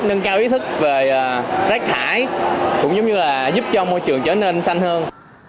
nâng cao ý thức về rác thải cũng giống như là giúp cho môi trường trở nên xanh hơn